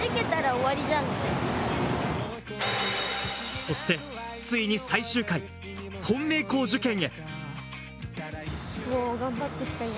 そして、ついに最終回、本命校受験へ！